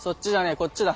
こっちだ。